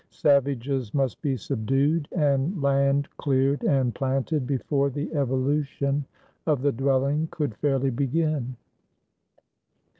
Savages must be subdued and land cleared and planted before the evolution of the dwelling could fairly begin.